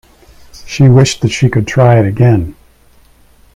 She wished that she could try it again.